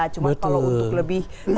cuma kalau untuk lebih spesifiknya